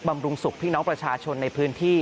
บรุงสุขพี่น้องประชาชนในพื้นที่